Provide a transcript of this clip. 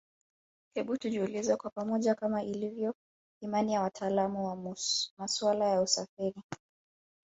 Hebu tujiulize kwa pamoja Kama ilivyo imani ya watalaamu wa masuala ya usafiri